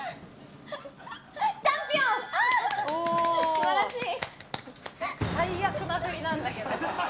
素晴らしい！